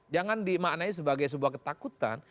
jangan dimaknai sebagai sebuah ketakutan